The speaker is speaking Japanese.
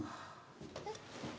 えっ。